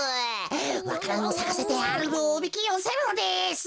わか蘭をさかせてアルルをおびきよせるのです。